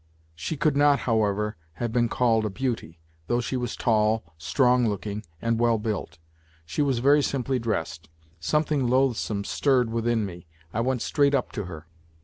She could not, however, have been called a beauty, though she was tall, strong looking, and well built. She was very simply dressed. Something loathsome stirred within me. I went straight up to her.